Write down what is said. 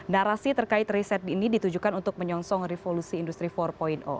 narasi terkait riset ini ditujukan untuk menyongsong revolusi industri empat